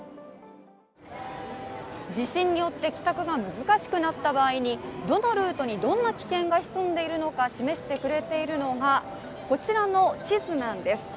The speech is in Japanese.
地震によって帰宅が難しくなった場合に、どのルートにどんな危険がひそんでいるのか示してくれているのがこちらの地図なんです。